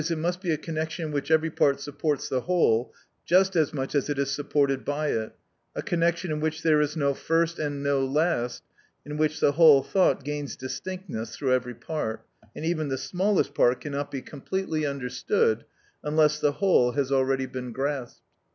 _, it must be a connection in which every part supports the whole just as much as it is supported by it, a connection in which there is no first and no last, in which the whole thought gains distinctness through every part, and even the smallest part cannot be completely understood unless the whole has already been grasped.